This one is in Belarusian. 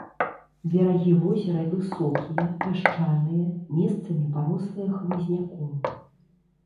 Берагі возера высокія, пясчаныя, месцамі парослыя хмызняком.